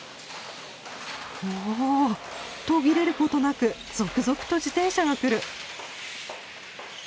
おお途切れることなく続々と自転車が来る。